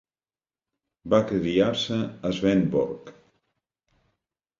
Va criar-se a Svendborg.